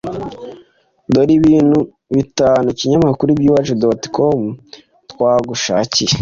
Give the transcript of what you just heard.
Dore ibintu bitanu ikinyamakuru ibyiwacu.com twagushakiye